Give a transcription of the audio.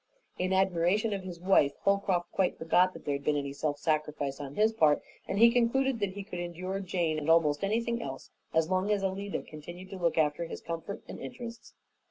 In admiration of his wife Holcroft quite forgot that there had been any self sacrifice on his part, and he concluded that he could endure Jane and almost anything else as long as Alida continued to look after his comfort and interests.